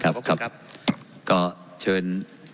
ขอบคุณครับก็เชิญ